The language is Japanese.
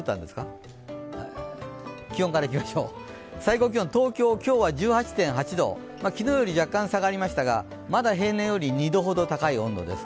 へえ気温からいきましょう、最高気温、東京は今日１８．８度、昨日より若干下がりましたが、まだ平年より２度ほど高い温度です。